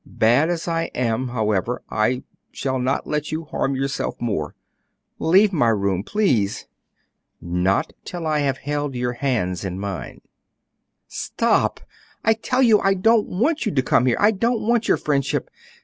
Bad as I am, however, I shall not let you harm yourself more; leave my room, please." "Not till I have held your hands in mine." "Stop! I tell you I don't want you to come here; I don't want your friendship.